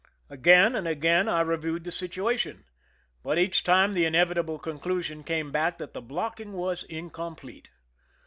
Again and again I re viewed the situation ; but each time the inevitable conclusion came back that the blocking was incom plete.